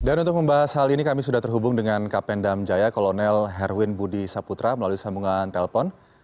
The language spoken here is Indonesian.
dan untuk membahas hal ini kami sudah terhubung dengan kapendam jaya kolonel herwin budi saputra melalui sambungan telepon